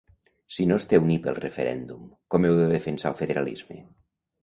Si no esteu ni pel referèndum, com heu de defensar el federalisme?